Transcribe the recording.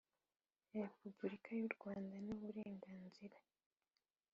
Repubulika y u Rwanda n uburenganzira